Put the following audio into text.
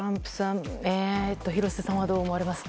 廣瀬さん、どう思われますか？